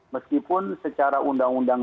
meskipun secara undang undang